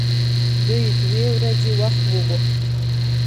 دوی دوې ورځې وخت وغوښت.